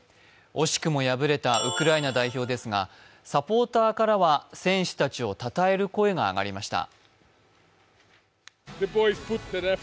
惜しくも敗れたウクライナ代表ですがサポーターからは選手たちをたたえる声が上がりました。